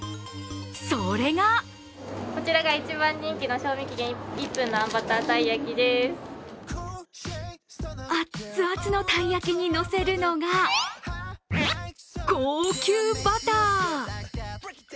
それが熱々のたい焼きに乗せるのが高級バター！